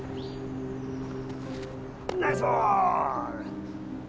ナイスボール